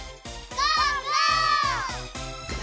ゴー！